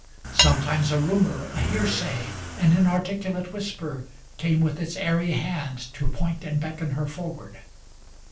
Sometimes a rumor, a hearsay, an inarticulate whisper, Came with its airy hand to point and beckon her forward.